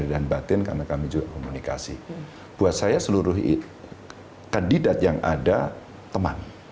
batin karena kami juga komunikasi buat saya seluruh kandidat yang ada teman